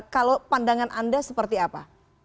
kalau pandangan anda seperti apa